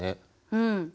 うん。